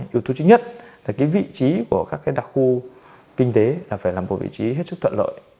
yếu tố thứ nhất là cái vị trí của các đặc khu kinh tế là phải là một vị trí hết sức thuận lợi